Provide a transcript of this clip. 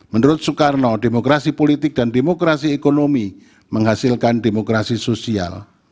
menurut soekarno demokrasi politik dan demokrasi ekonomi menghasilkan demokrasi sosial